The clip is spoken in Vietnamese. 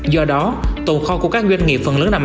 do đó tồn kho của các doanh nghiệp phần lớn nằm